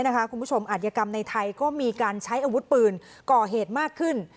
อัธยกรรมในไทยก็มีการใช้อาวุธปืนก่อเหตุมากขึ้น